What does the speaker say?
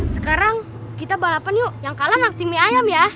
sekarang kita balapan yuk yang kalah mati mie ayam ya